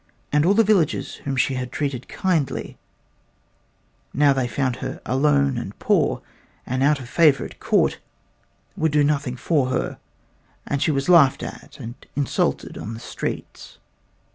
And all the villagers whom she had treated kindly, now that they found her alone and poor and out of favor at court, would do nothing for her, and she was laughed at and insulted on the streets.